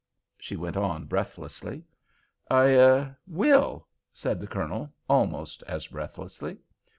she went on, breathlessly. "I—er—will," said the Colonel, almost as breathlessly.